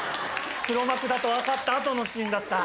黒幕だと分かった後のシーンだった。